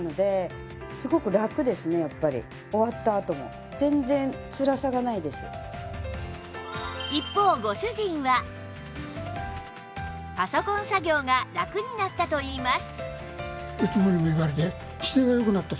実験に協力して頂いた一方ご主人はパソコン作業がラクになったといいます